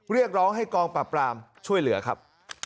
เรียกร้องให้กองปราบปรามช่วยเหลือครับ